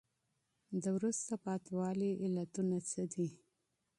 د وروسته پاتي والي علتونه څه دي؟